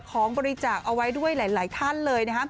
ของบริจาคเอาไว้ด้วยหลายท่านเลยนะครับ